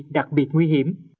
đặc biệt nguy hiểm